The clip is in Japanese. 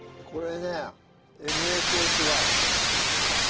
これねＭＳＳＹ？